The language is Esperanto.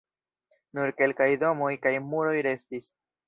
Nur kelkaj domoj kaj muroj restis.